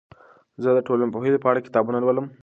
زه د ټولنپوهنې په اړه کتابونه لولم.